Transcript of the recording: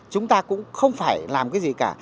chúng ta cũng không phải làm cái gì cả